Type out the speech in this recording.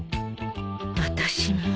私も。